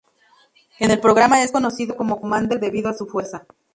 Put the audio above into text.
En el programa es conocido como "Commander", debido a su fuerza.